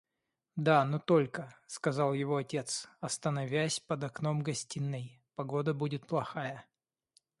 – Да, но только, – сказал его отец, остановясь под окном гостиной, – погода будет плохая.